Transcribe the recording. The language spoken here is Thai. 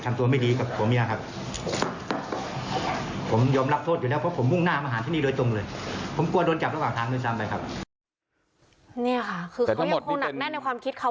นี่ค่ะคือเขาเรียกโครงหนักแน่นในความคิดเขา